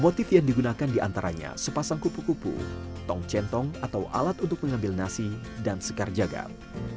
motif yang digunakan diantaranya sepasang kupu kupu tong centong atau alat untuk mengambil nasi dan sekar jagad